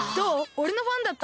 おれのファンだった？